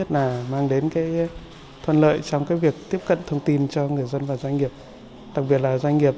trong việc tiếp cận thông tin cho người dân và doanh nghiệp đặc biệt là doanh nghiệp